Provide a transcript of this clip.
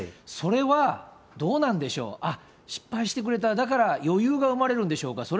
それはどうなんでしょう、あっ、失敗してくれた、だから余裕が生まれるんでしょうか。